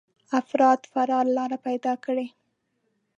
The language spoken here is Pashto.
افراد فرار لاره پيدا کړي.